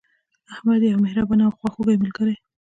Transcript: احمد یو مهربانه او خواخوږی ملګری